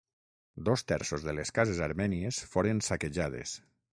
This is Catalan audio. Dos terços de les cases armènies foren saquejades.